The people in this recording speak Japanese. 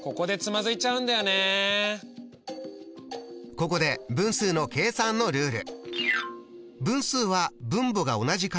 ここで分数の計算のルール。